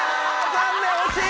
残念惜しい！